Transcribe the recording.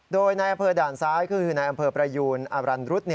โดยในอำเภอด่านซ้ายก็คือนายอำเภอประยูนอรันรุษ